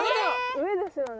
上ですよね。